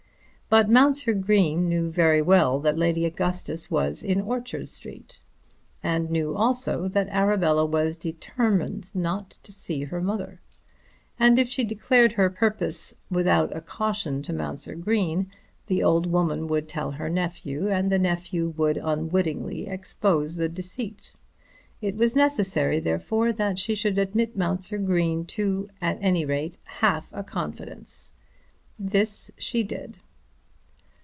But Mounser Green knew very well that Lady Augustus was in Orchard Street, and knew also that Arabella was determined not to see her mother. And if she declared her purpose, without a caution to Mounser Green, the old woman would tell her nephew, and the nephew would unwittingly expose the deceit. It was necessary therefore that she should admit Mounser Green to, at any rate, half a confidence. This she did.